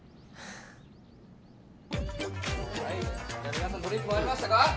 皆さんドリンク回りましたか？